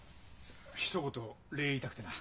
ひと言礼言いたくてな。